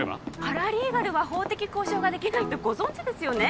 パラリーガルは法的交渉ができないってご存じですよね？